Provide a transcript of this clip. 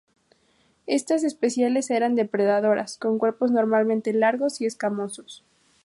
Estas especies eran depredadoras, con cuerpos normalmente largos y escamosos.